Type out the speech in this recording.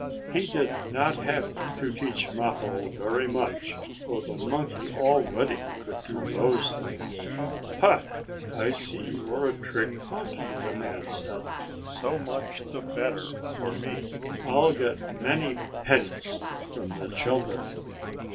He did not have to teach Mappo very much, for the monkey could already do those things. "Ha! I see you are a trick monkey!" the man said. "So much the better for me. I'll get many pennies from the children."